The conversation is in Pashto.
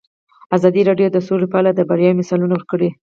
ازادي راډیو د سوله په اړه د بریاوو مثالونه ورکړي.